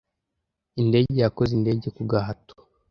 Indege yakoze indege ku gahato.